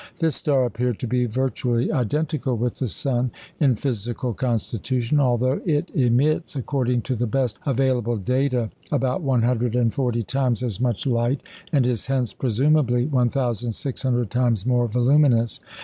This star appeared to be virtually identical with the sun in physical constitution, although it emits, according to the best available data, about 140 times as much light, and is hence presumably 1,600 times more voluminous.